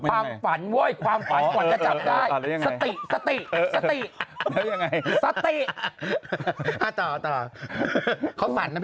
ครั้งฝันว้อยความรักก็อย่างไงต่อต่อเขาผ่านมิม